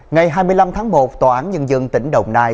ngày hai mươi năm tháng một tòa án nhân dân tỉnh đồng nai